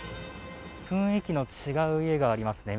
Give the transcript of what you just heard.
雰囲気の違う家がありますね